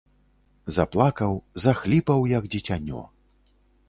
Заплакаў, захліпаў, як дзіцянё.